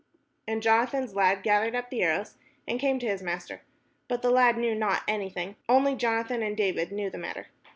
And Jonathan's lad gathered up the arrows, and came to his master. But the lad knew not any thing: only Jonathan and David knew the matter.